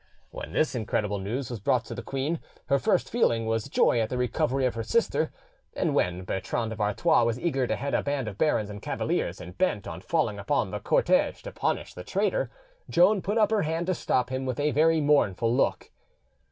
When this incredible news was brought to the queen, her first feeling was joy at the recovery of her sister; and when Bertrand of Artois was eager to head a band of barons and cavaliers and bent on falling upon the cortege to punish the traitor, Joan put up her hand to stop him with a very mournful look.